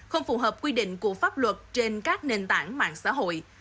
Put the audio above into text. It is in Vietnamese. không phù hợp quy định của pháp luật trên các nền tảng mạng xã hội